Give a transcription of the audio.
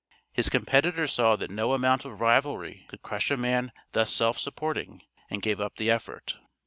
His competitor saw that no amount of rivalry could crush a man thus self supporting and gave up the effort.